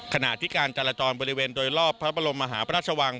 ขณะที่การจราจรบริเวณโดยรอบพระบรมมหาพระราชวัง